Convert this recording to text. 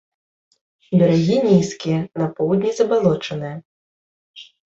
Берагі нізкія, на поўдні забалочаныя.